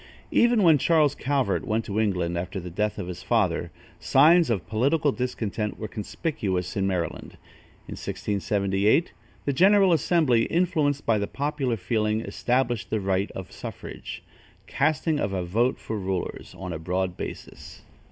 Even when Charles Calvert went to England after the death of his father, signs of political discontent were conspicuous in Maryland. In 1678, the general assembly, influenced by the popular feeling, established the right of suffrage "casting of a vote for rulers" on a broad basis.